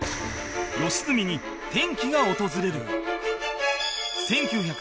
良純に転機が訪れる！